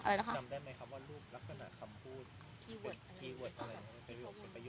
จำได้ไหมครับว่ารูปลักษณะคำพูดคีย์เวิร์ดอะไร